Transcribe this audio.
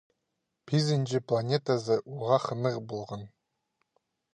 Пизінҷі планетазы уғаа хынығ полған.